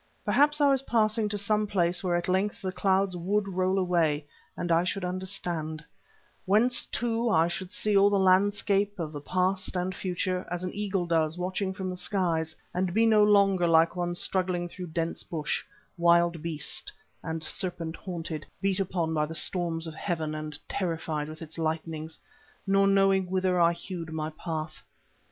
Perhaps I was passing to some place where at length the clouds would roll away and I should understand; whence, too, I should see all the landscape of the past and future, as an eagle does watching from the skies, and be no longer like one struggling through dense bush, wild beast and serpent haunted, beat upon by the storms of heaven and terrified with its lightnings, nor knowing whither I hewed my path.